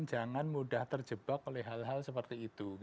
jangan mudah terjebak oleh hal hal seperti itu